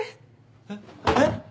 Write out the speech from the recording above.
えっえっ！？